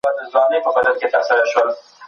د نورو تاوان مه غواړئ ځکه دا د اسلام لاره نه ده.